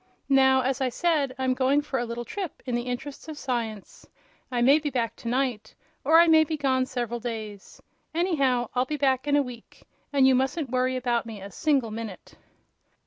Now, as I said, I'm going for a little trip in the interests of science. I may be back to night, or I may be gone several days. Anyhow, I'll be back in a week, and you mustn't worry about me a single minute."